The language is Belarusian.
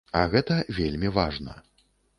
А гэта вельмі важна.